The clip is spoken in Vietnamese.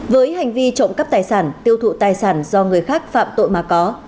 với hành vi trộm cắp tài sản tiêu thụ tài sản do người khác phạm tội mà có